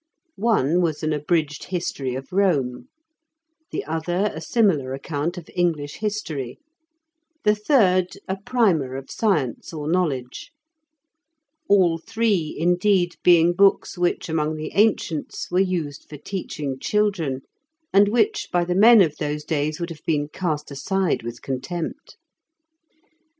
One was an abridged history of Rome, the other a similar account of English history, the third a primer of science or knowledge; all three, indeed, being books which, among the ancients, were used for teaching children, and which, by the men of those days, would have been cast aside with contempt.